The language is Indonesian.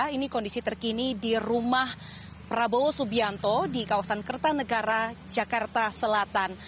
ini kondisi terkini di rumah prabowo subianto di kawasan kertanegara jakarta selatan